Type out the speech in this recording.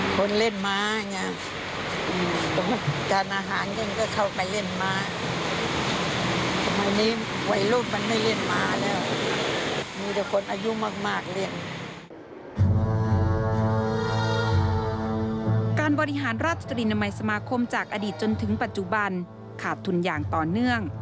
บริหารราชตรีนามัยสมาคมจากอดีตจนถึงปัจจุบันขาดทุนอย่างต่อเนื่อง